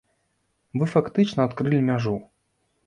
Вы фактычна адкрылі мяжу.